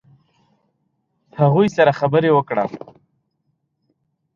هغوی سره خبرې وکړه.